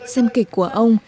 xin kịch của ông